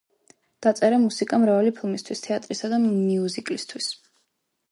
დაწერა მუსიკა მრავალი ფილმისთვის, თეატრისა და მიუზიკლისთვის.